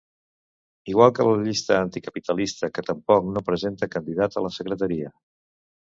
Igual que la llista anticapitalista, que tampoc no presenta candidat a la secretaria.